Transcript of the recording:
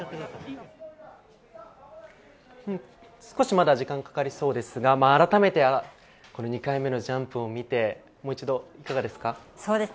少しまだ時間がかかりそうですが、あらためて２回目のジャンプを見て、もう一度いかがですか？